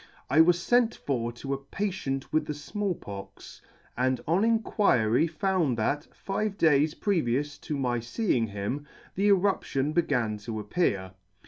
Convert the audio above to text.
I was Tent for to a patient with the Small Pox, and on inquiry found that, five days previous to my feeing him, the eruption began to appear.